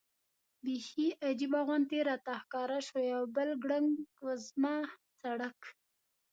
بېخي عجیبه غوندې راته ښکاره شول، یو بل ګړنګ وزمه سړک.